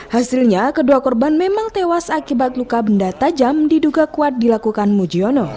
hasilnya kedua korban memang tewas akibat luka benda tajam diduga kuat dilakukan mujiono